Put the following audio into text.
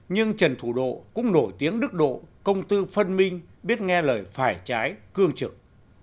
nhưng trần thủ độ cũng nổi tiếng đức độ công tư phân minh biết nghe lời phải trái cương trực